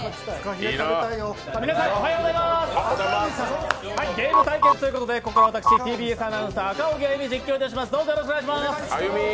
皆さん、おはようございますゲーム対決ということでここからは私、ＴＢＳアナウンサー赤荻歩が実況いたします。